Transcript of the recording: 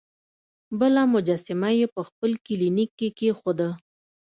بله مجسمه یې په خپل کلینیک کې کیښوده.